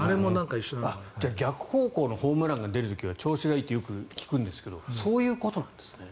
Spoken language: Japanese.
逆方向のホームランが出る時は調子がいいとよく聞きますがそういうことですね。